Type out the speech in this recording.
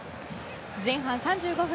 前半３５分